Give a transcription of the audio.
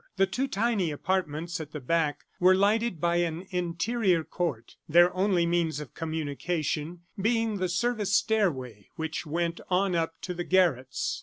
The two tiny apartments at the back were lighted by an interior court, their only means of communication being the service stairway which went on up to the garrets.